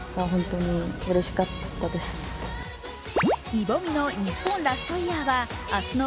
イ・ボミの日本ラストイヤーは明日の